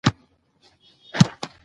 افغانستان د سمندر نه شتون کوربه دی.